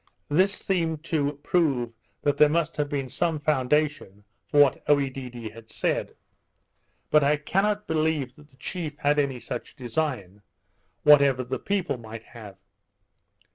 This seemed to prove that there must have been some foundation for what Oedidee had said; but I cannot believe that the chief had any such design, whatever the people might have.